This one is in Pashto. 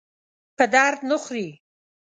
په درد نه خوري.